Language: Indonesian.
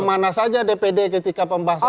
kemana saja dpd ketika pembahasan